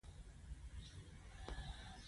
د ډبرین پله له پاسه جرمنۍ خولۍ ښکارېدلې.